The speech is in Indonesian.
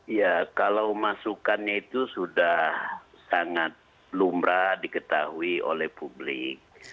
iya kalau masukannya itu sudah sangat lumrah diketahui oleh publik